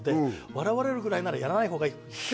「笑われるぐらいならやらない方がいい」